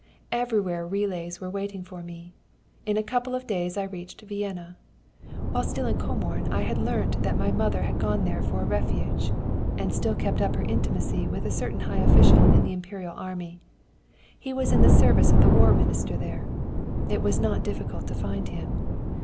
Everywhere relays were waiting for me. In a couple of days I reached Vienna. While still in Comorn, I had learnt that my mother had gone there for refuge, and still kept up her intimacy with a certain high official in the Imperial army. He was in the service of the War Minister there. It was not difficult to find him.